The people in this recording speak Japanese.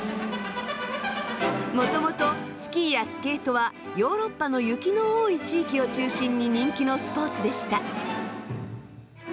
もともとスキーやスケートはヨーロッパの雪の多い地域を中心に人気のスポーツでした。